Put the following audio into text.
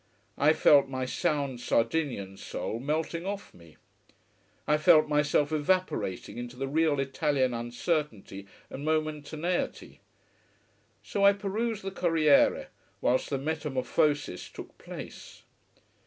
I felt my sound Sardinian soul melting off me, I felt myself evaporating into the real Italian uncertainty and momentaneity. So I perused the Corriere whilst the metamorphosis took place.